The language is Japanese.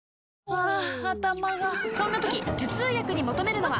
ハァ頭がそんな時頭痛薬に求めるのは？